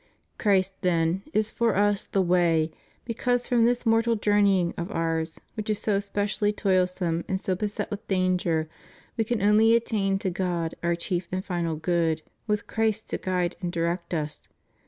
Christ, then, is for us the way, because from this mortal journeying of ours, which is so especially toilsome and so beset with danger, we can only attain to God, our chief and final good, with Christ to guide and direct us.